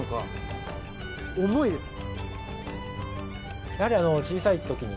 重いです。